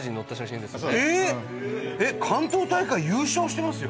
えっ関東大会優勝してますよ！